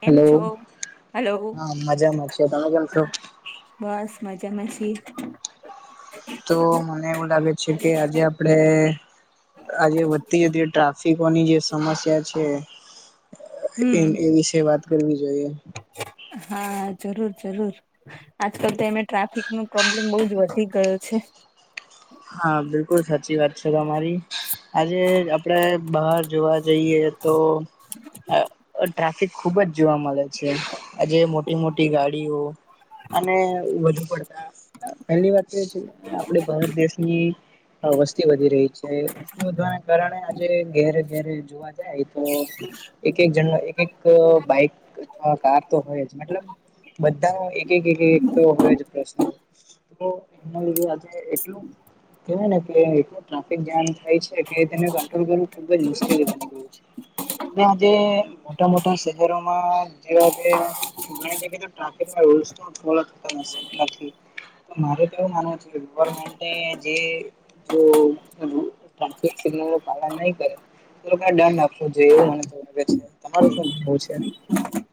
કેમ હેલો. છો હલો હા, મજામાં છું, તમે કેમ છો? બસ મજામાં છીએ. તો મને એવું લાગે છે કે આજે આ પડે, આ જે વધતી જતી ટ્રાફિકોની જે સમસ્યા છે એ હમ એ વિશે વાત કરવી જોઈએ. હા, જરૂર જરૂર. આજકાલ તો એમેય ટ્રાફિકનો પ્રોબ્લેમ બઉ જ વધી ગયો છે. હા, બિલકુલ સાચી વાત છે તમારી. આજે આપડે બહાર જોવા જઈએ તો અ અ ટ્રાફિક ખુબ જ જોવા મલે. છે, આજે મોટી-મોટી ગાડીઓ અને વધુ પડ પહેલી વાત તો એ છે આપડે ભારત દેશ ની વસ્તી વધી રહી છે, વસ્તી વધવાના કારણે આજ [unintelligible] ઘેરે-ઘેરે જોવા જાય તો [inaudible] એક-એક જણનો એક-એક બાઈક અથવા કાર તો હોય જ મતલબ બધાનો એક-એક-એક તો હોય જ પ્રસનલ. તો એના લીધે આજ એટલું કેવાય ને કે એટલું ટ્રાફિક જામ થાય છે કે તેને કંટ્રોલ કરવું ખુબ જ મુશ્કેલી બની ગયું છે. ને આજે મોટા-મોટા શહેરોમાં જેવા કે ઘણી જગ્યાએ તો ટાફિકના રૂલ્સ પણ ફોલો થતા નથી. મારે તો એવું માનવું છે ગવર્મેન્ટે જે જો ટાફિક સિગ્નલનું પાલન નઈ કરે એ લોકાને ડર નાખવો જોઈએ એવું મને તો લાગે છે. તમારું શું કેહવું છે?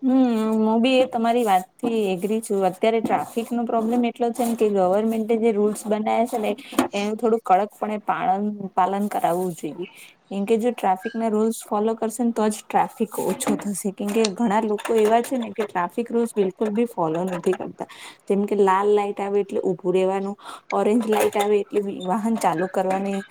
હમ્મ. હું બી એ તમારી વાતથી એગ્રી છું અત્યારે ટ્રાફિક નો પ્રોબ્લેમ એટલો છે ને કે ગવર્મેન્ટ જે રૂલ્સ બનાય છે ને એનું થોડુંક કડકપણે પાન પાલન કરાવવું જોઈએ. કેમકે જો ટ્રાફિક ના રૂલ્સ ફોલો કરશે ને તો જ ટ્રાફિક ઓછો થશે કેમકે ઘણા લોકો એવા જ [unintelligible] ને કે ટ્રાફિક રૂલ્સ બિલકુલ બી ફોલો નથી કરતા. જેમ કે લાલ લાઈટ આવે એટલે ઉભું રહેેવાનું ઓરેન્જ લાાઈટ આવે એટલે વાહન ચાલુ કરવાની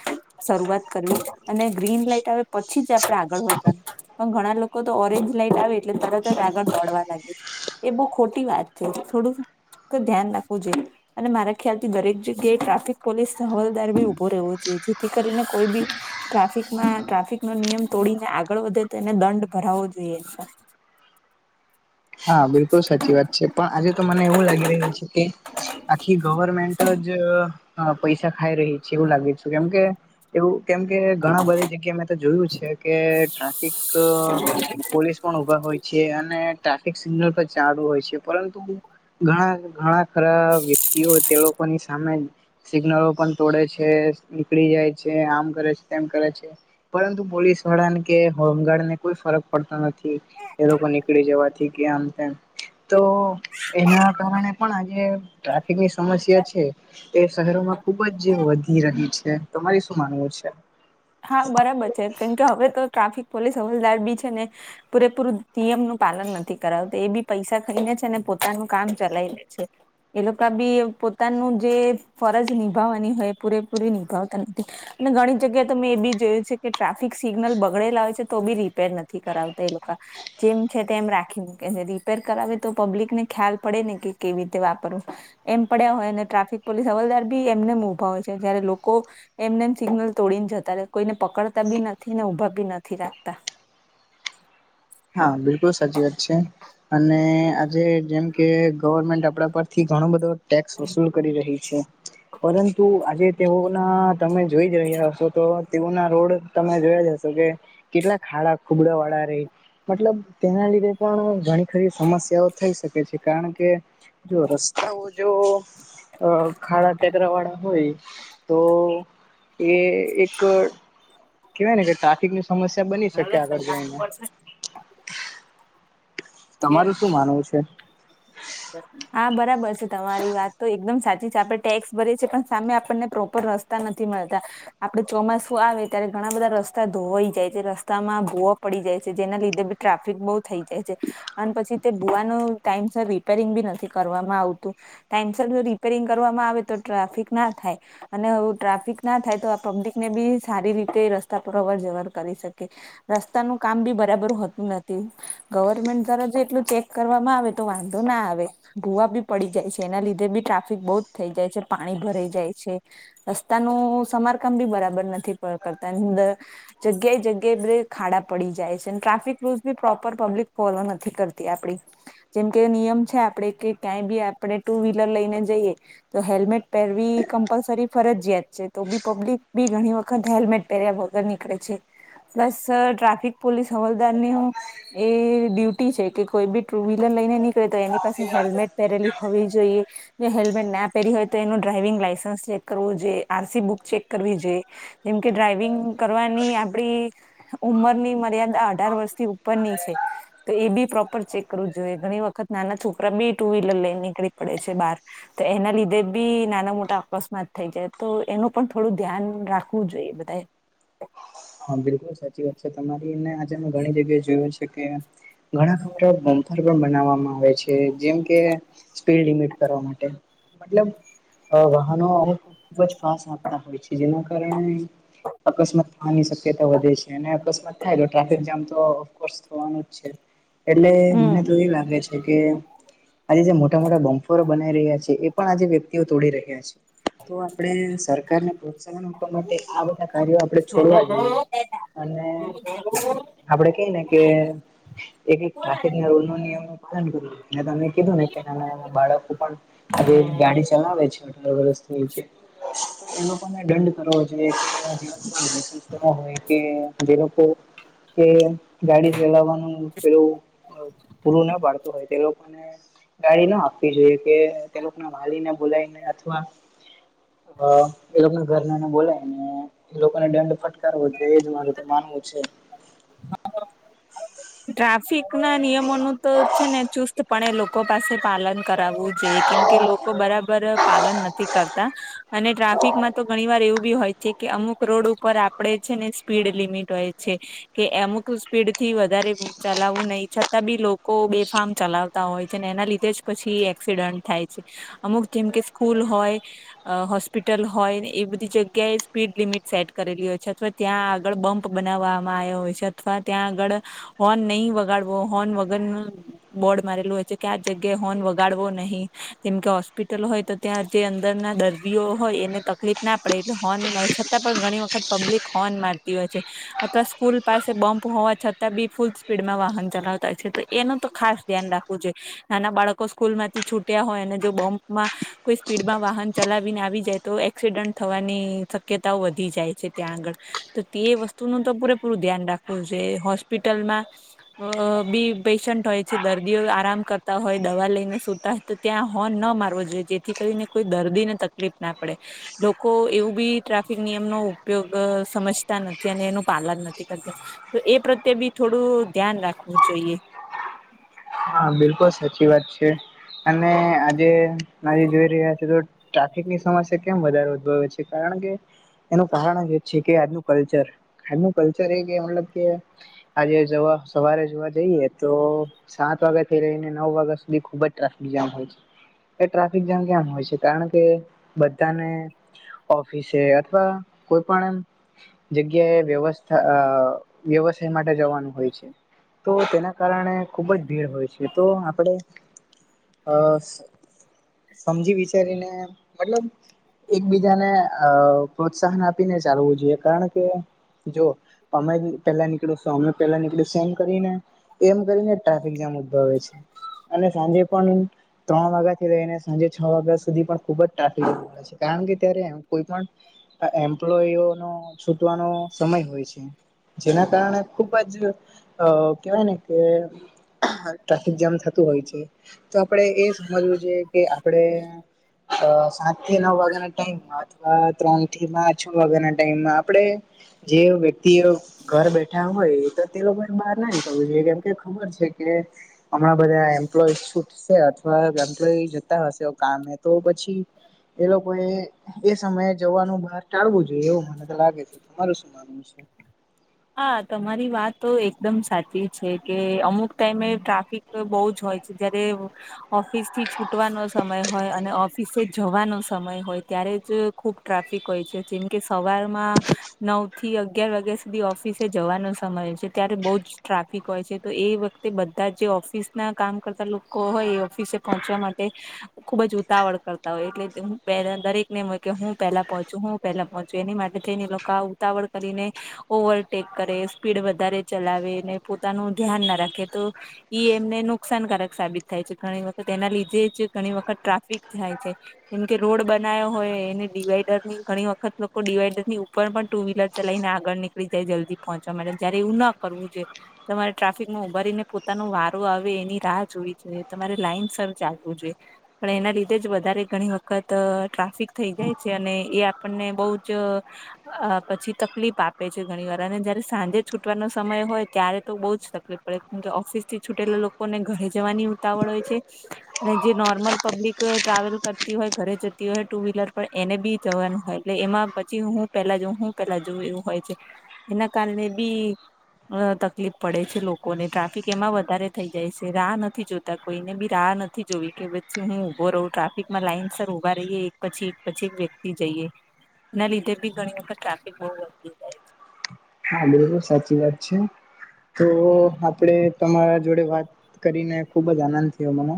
શરૂઆત કરવી અને ગ્રીન લાઈટ આવે પછી જ આપડે આગળ વધવાનું. પણ ઘણા લોકો તો ઓરેન્જ લાાઈટ આવે એટલે તરત જ આગળ મળવા લાગે છે એ બહું ખોટી વાત છે થોડું ધ્યાન રાખવું જોઈએ. અને મારા ખ્યાલ થી દરેક જગ્યાએ ટ્રાફિક પોલીસ હવલદાર બી ઉભો રહેવો જોઈએ જેથી કરીને કોઈ બી ટ્રાફિકમાં ટ્રાફિક નો નિયમ તોડીને આગળ વધે તો એને દંડ ભરાવવો જોઈએ એની પા. હા, બિલકુલ સાચી વાત છે. પણ આજે તો મને એવું લાગી રહ્યું છે કે આખી ગવર્મેન્ટ જ અહ પૈસા ખાઈ રહી છે એવું લાગે છે કેમકે એવું કેમ કે ઘણા બધી જગ્યા મેં તો જોયું છે કે ટ્રાફિક અહ પોલીસ પણ ઉભા હોય છે અને ટ્રાફિક સિગ્નલ પણ ચાડુ હોય છે પરંતુ ઘણા ઘણા ખરા વ્યક્તિઓ તે લોકોની સામે સિગ્નલો પણ તોડે છે નીકળી જાય છે આમ કરે છે તેમ કરે છે. પરંતુ પોલીસ વાળાને કે હોમગાર્ડ ને કોઈ ફરક પડતો નથી એ લોકો નીકળી જવા થી કે આમ તેમ તો એના કારણે પણ આજે ટ્રાફિક ની સમસ્યા છે એ શહેરોમાં ખુબ જ વધી રહી છે. તમારે શું માનવું છે? હા, બરાબર છે. કેમકે હવે તો ટ્રાફિક પોલીસ હવલદાર બી છે ને પૂરેપૂરું નિયમ નું પાલન નથી કરાવત એ બી પૈસા ખાઈને છે અનેને પોતાનું કામ ચલાય લે છે. એ લોકો બી પોતાનું જે ફરજ નિભાવવાની હોય પૂરેપૂરી નિભાવતા નથી. અને ઘણી જગ્યા તો મેં એબી જોયું છે કે ટ્રાફિક સિગ્નલ બગડેલા હોય છે તો બી રીપેર નથી કરાવતા એ લોકા. જેમ છે તેમ રાખી મૂકે છે રિપેર કરાવે તો પબ્લિક ને ખ્યાલ પડે ને કે કેવી રીતે વાપરવું. એમ પડ્યા હોય અને ટ્રાફિક પોલીસ હવલદાર બી એમને ઉભા હોય છે જયારે લોકો એમને એમ સિગ્નલ તોડીને જતા કોઈને પકડતા બી નથી ને ઊભા બી નથી રાખતા. હા, બિલકુલ સાચી વાત છે. અને આજે જેમ કે ગવર્મેન્ટ આપડા પરથી ઘણો બધો ટેક્સ વસૂલ કરી રહી છે. પરંતુ આજે તેઓના તમે જોઈ રહ્યા હસોં તો તેઓ ના રોડ તમે જોયા જશો કે કેટલા ખાડા ખુબડા વાળા રહી મતલબ તેના લીધે પણ ઘણી ખરી સમસ્યાઓ થઈ શકે છે. કારણ કે જો રસ્તાઓ જો અહ ખાડા ટેકરાવાળા હોય તો એ એક કેવાય ને કે ટ્રાફિકની સમસ્યા બની શકે હવે સર આગળ નાખવું જઈને. પડશે છે તમારું શું માનવું છે? [unintelligible] હા, બરાબર છે તમારી વાત તો એકદમ સાચી છે. આપડે ટેક્સ ભરી છેએ પણ સામે આપણને પ્રોપર રસ તા નથી મળતા. આપડે ચોમાસું આવે ત્યારે ઘણા બધા રસ્તા ધોવાઈ જાય છે. રસ્તામાં ભોવા પડી જાય છે જેના લીધે બી ટ્રાફિક બહુ થઈ જાય છે. અને પછી તે ભુવાનું ટાઈમ સર રિપેરિંગ બી નથી કરવામાં આવતું. ટાઈમસર નું રિપેરિંગ કરવામાં આવે તો ટ્રાફિક ના થાય. અને હું ટ્રાફિક ના થાય તો આ પબ્લિક ને બી સારી રીતે રસ્તા પર અવર જવર કરી શકે. રસ્તાનું કામ બી બરાબર હોતું નથી ગવર્મેન્ટ જ્યારે એટલું ચેક કરવામાં આવે તો વાંધો ના આવે. ધોવા બી પડી જાય છે એના લીધે બી ટ્રાફિક બહુ જ થઈ જાય છે પાણી ભરાઈ જાય છે. રસ્તાનું સમારકામ બી બરાબર નથી ક-કરતા ની અંદર. જગ્યા એ જગ્યા એ બધે ખાડા પડી જાય છે અને ટ્રાફિક રૂલ્સ બી પ્રોપર પબ્લિક ફોલવા નથી. નથી કરતી આપડી જેમ કે નિયમ છે આપણે કે ક્યાંય બી આપણે ટુ વ્હીલર લઈને જઈએ. તો હેલ્મેટ પહેરવી કમ્પલસરી ફરજયાત છે તો બી પબ્લિક બી ઘણી વખત હેલ્મેટ પેર્યા વગર નીકળે છે. પ્લસ અહ ટ્રાફિક પોલીસ હવાલદારને એ ડ્યુ ટી છે કે કોઈ બી ટુ વ્હીલર લઈને નીકળે તો એની પાસે હેલ્મેટ પહેરેલી હોવી જોઈએ. જે હેલ્મેટ ના પહેરી હોય તો એનું ડ્રાઈવિંગ લાઇસન્સ ચેક કરવું જોઈએ આરસી બુક ચેક કરવી જોઈએ. જેમ કે ડ્રાઈવિંગ કરવાની આપડી. ઉંમરની મર્યાદા અઢાર વર્ષથી ઉપરની છે. તો એ બી પ્રોપર ચેક કરવું જોઈએ ઘણી વખત નાના છોકરા બી ટુ વ્હીલર લઈને નીકળી પડે છે બહાર. તો એના લીધે બી નાના મોટા અકસ્માત થઈ જાય તો એનું પણ થોડું ધ્યાન રાખવું જોઈએ બધા. હા બિલકુલ સાચી વાત છે તમારીને આજે મેં ઘણી જગ્યાએ જોયું છે કે. ઘણા ખરા બમપર બનાવવામાં આવે છે જેમ કે સ્પીડ લિમિટ કરવા માટે. મતલબ વાહનો અમુક ખુબ જ ફાસ્ટ આપતા હોય છે જેના કારણે. અકસ્માત. ની શક્યતા વધે છે અને અકસ્માત થાય તો ટ્રાફિક જામ તોકો થવાનું છે. એટલે મને હમ તો એ લાગે છે કે. આજે જે મોટા મોટા બમ્ફોરો બનાઈ રહ્યા છે એ પણ આજે વ્યક્તિઓ તોડી રહ્યા છે. તો આપણે સરકારને પ્રોત્સાહન આપવા માટે આ બધા કાર્યો. આપણે છોડવા જોઈએ અને. હમ આપડે કઈ ને કે એક એક ટ્રાફિક રૂલ નો નિયમ નું પાલન કરવું. મે તમે કીધું ને નાના નાના બાળકો પણ. આજે ગાડી ચલાવે છે અઢાર વરષથી નીચે. એ લોકોને દંડ કરવો જોઈએ હો. કે. ગાડી ચલાવવાનું પેલું પૂરું ના પાડતું હોય તે લોકોને. ગાડી ના આપવી જોઈએ કે તે ના વાલીને બોલાઈને અથવા. એ આપને ઘર ના એને બોલાય ને. એ લોકોને દંડ ફટકારવો એજ મારે તો માનવું છે. ટ્રાફિક ના નિયમો ન તો છે ને ચુસ્તપણે લોકો પાસે પાલન કરાવવું જોઈ. કેમ કે લોકો બરાબર પાલન નથી કરતા. અને ટ્રાફિકમાં તો ઘણી વાર એવું બી હોય છે કે અમુક રોડ ઉપર આપડે છે ને સ્પીડ લિમિટ હોય છે. કે અમુક સ્પીડ થી વધારે. ચલાવવું નહીિ છતાં બી લોકો બેફારમ ચલાવતા હોય છે ને એના લીધે જ પછી એક્સિડન્ટ થાય છે અમુક જેમ કે સ્કૂલ હોય. અ હોસ્પિટલ હોય ને એ બધી જગ્યાએ સ્પીડ લિમિટ સેટ કરેલી હોય છે અથવા. ત્યાં આગળ બમ્પ બનાવવામાં આવ્યા હોય છે અથવા ત્યાં આગળમેં હોર્ન નહીં વગાડવો હોર્ન વગર. બોર્ડ મારેલું હોય છે ક્યાં જગ્યાએ હોર્ન વગાડવો નહીં. જેમ કે હોસ્પિટલ હોય તો ત્યાં જે અંદર ના દર્દીઓ હોય એને તકલીફ ના પડે એટલે હો મા. પણ ઘણી વખત પબ્લિક હોર્ન મારતી હોય છે અથવા સ્કૂલ પાસે બમ્પ હોવા છતાં બી. ફૂલ સ્પીડમાં વાહન ચલાવતા છે તો એનું તો ખાસ ધ્યાન રાખવું જોઈએ. નાના બાળકો સ્કૂલ માંથી છૂટ્યા હોય અને જો બોમ્બમાં. કોઈ સ્પીડમાં વાહન ચલાવીને આવી જાય તો એક્સિડન્ટ થવાની શક્યતાઓ વધી જાય છે ત્યાં આગળ. તો તે વસ્તુ ન તો પૂરેપૂરું ધ્યાન રાખવું જોઈએ હોસ્પિટલમાં. અ બી પેશન્ટ હોય છે દર્દીઓ આરામ કરતા હોય દવા લઈને સુતા. તો ત્યાં હોન ન મારવો જોઈએ જેથી કરીને કોઈ દર્દીને તકલીફ. ના પડે લોકો એવું બી ટ્રાફિક નિયમ નો ઉપયોગ સમજ. નથી અને એનું પાલન નથી કરત તો એ પ્રત્યે બી થોડું ધ્યાન રાખવું જોઈએ. હા બિલકુલ સાચી વાત છે અને આજે. ના જે જોઈ રહ્યા છે, તો ટ્રાફિક ની સમસ્યા કેમ વધારે ઉદભવે છે કારણ કે. એનું કાહણ જ એ છે કે આજનું કલ્ચર, આજનું કલ્ચર એ કે મતલબ કે. આજે જવા સવારે જોવા જઈએ તો. સાત વાગ્યા થઈ રહીને નવ વાગ્યા સુધી ખુબ જ ટ્રાફિક જામ હોય છે. એ ટ્રાફિક જામ કેમ હોય છે કારણ કે બધાને. ઓફિસે અથવા કોઈ પણ એમ. જગ્યાએ વ્યવસ્થા અ વ્યવસાય માટે જવાનું હોય છે. તો તેના કારણે. ખુબ જ ભીડ હોય છે, તો આપણે અસ સમજી વિચારીને મતલબ. એકબીજાને અ પ્રોત્સાહન આપીને ચાલવું જોઈએ, કારણ કે. જો તમે બી પેલા નીકળો શો, અમે પેલા નીકળી શે એમ કરીને. એમ કરીને ટ્રાફિક જામ ઉદ્ભવે છે, અને સાંજે પણ ત્રણ વાગ્યા થી લઈને સાંજે છ વાગ્યા સુધી પણ ખુબ જ ટ્રાફિકજેવું હોય. પછી કામ બીતરે કોઇ પણ આ એમ્પ્લોયઓ નો છૂટવાનો સમય હોય છે. જેના કારણે ખુબ જ અ કેહેવાય ને કે. ટ્રાફિક જામ થતું હોય છે, તો આપડે એ સમજવું જોઈએ કે આપણે. અ સાત થી નવ વાગ્યા નો ટાઈમ, અથવા ત્રણ થી મા છ વાગ્યાના ટાઈમમાં આપડે જે વ્યક્તિઓ ઘર બેઠા હોય, તો તે લોકોને બહાર ના નીકળવું જોઈએ કેમ કે ખબર છે. કે હમણાં બધા એમ્પ્લોઈ છૂટશે, અથવા એમ્પ્લો જતા હશે ઓ કામે તો પછી. એ લોકોએ. એ સમયે જવાનું બહાર ટાળવું જોઈએ એવું મને તો લાગે છે, તમારું શું માનવું છે? હા તમારી વાત તો એકદમ સાચી છે, કે અમુક ટાઈમે ટ્રાફિક. તો બહુજ હોય છે, જયારે ઓફિસ થી છૂટવાનો સમય હોય, અને ઓફ પીસે જવાનો સમય હોય, ત્યારે જ ખૂબ ટ્રાફિક હોય છે, જેમકે સવારમાં નવ થી અગિયાર વાગ્યા સ ધી ઓફિસે જવાનો સમય છે, ત્યારે બહુ જ ટ્રાફિક હોય છે, તો એ વખતે બધા જે ઓફિસ ના કામ કરતા લોકો હોય, એ ઓફિસે પહોંચવા માટે ખુબ જ ઉતાવળ કરતા હોય, એટલે હુ પેરેન દરેક ને મે કે હું પેલા પહોંચું, હું પેલા પહોંચ, એની માટે થઈને લોકો આ ઉતાવળ કરીને. ઓવલટેક કરે, સ્પીડ વધારે ચલાવે, ને પોતાનું ધ્યાન ના રાખે તો ઈ એમને નુકસાનકારક સાબિત થાય છે, ઘણી વખત એના લીધે જ ઘણી વખત ટ્રાફિક થાય છે. એમ કે રોડ બના્યો હોય, એને ડિવાઈડરની ઘણી વખત લોકો ડિવાઈડરની ઉપર પણ ટુ વ્હીલર ચલાઈ ને આગળ નીકળી જાય, જલ્દી પહોંચવા માટે જયારે એવું ના કરવું જોએ. તમારે ટ્રાફિકમાં ઉભાારીને પોતાનો વારો આવે એની રાહ જોવી જોઈએ, તમારે લાઈન સર ચાલવું જોઈએ. પણ એના લીધે જ વધારે ઘણી વખત ટ્રાફિક થઈ જાય છે, અને એ આપણને બહુ જ અ પછી તકલીફ આપ પે છે ઘણી વાર, અને જયારે સાંજે છૂટવાનો સમય હોય, ત્યારે તો બહુ જ તકલીફ પડે કેમકે ઓફિસ થી છૂટેલા લોક કોને ઘરે જવાની ઉતાવળ હોય છે. અને જે નોર્મલ પબ્લિક ટ્રાવેલ કરતી હોય, ઘરે જતી હોય, ટુ વ્હીલર પર એને બી જવાનું હોય, એટલે એમાં પછી હું પેલા જઉ, હું પેલા જઉ, એવું હોય. છે એના કારણે બી. અ તકલીફ પડે છે લોકોને, ટ્રાફિક એમાં વધારે થઈ જાય છે, રાહ નથી જોત તા કોઈને બી રાહ નથી જોવી, કે પછી હું ઊભો રહું, ટ્રાફિકમાં લાઈનસ ઉભા રહીએ. પછી એક પછી એક વ્યક્તિ જઈએ, એના લીધે બી ઘણી વખત ટ્રાફિક બહુ હોય. [unintelligible] હાલો, સાચી વાત છે. તો! આપડે તમારા જોડે વાત કરીને ખુબ જ આનંદ થયો મને.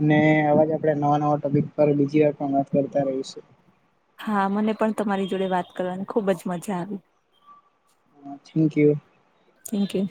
અને આવાજ આપણે નવા નવા ટોપિક પર બીજી વાર પણ વાત કરતા રહીશું. હા મને પણ તમારી જોડે વાત કરવાની ખુબ જ મજા આવી. Thank you. Thank you.